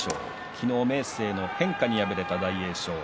昨日、明生の変化に敗れた大栄翔。